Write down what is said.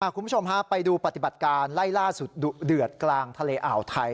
คุณผู้ชมฮะไปดูปฏิบัติการไล่ล่าสุดดุเดือดกลางทะเลอ่าวไทย